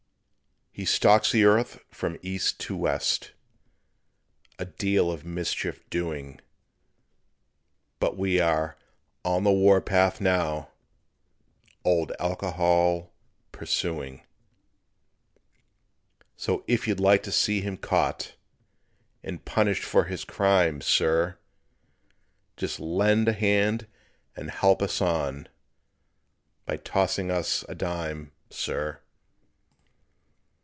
He stalks the earth from east to west, A deal of mischief doing; But we are "on the war path" now, Old Alcohol pursuing. So if you'd like to see him caught And punished for his crime, sir, Just lend a hand and help us on By tossing us a dime, sir.